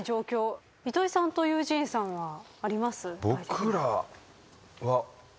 糸井さんとユージーンさんはあります？